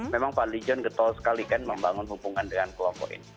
memang pak lijon getol sekali kan membangun hubungan dengan kelompok ini